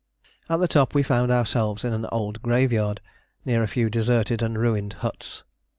At the top we found ourselves in an old graveyard near a few deserted and ruined huts.